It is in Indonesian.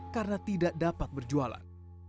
karena tidak dapat berjualan